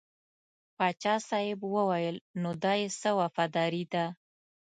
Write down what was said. پاچا صاحب وویل نو دا یې څه وفاداري ده.